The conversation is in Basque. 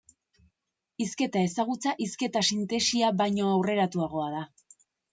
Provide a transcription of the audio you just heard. Hizketa-ezagutza hizketa-sintesia baino aurreratuagoa da.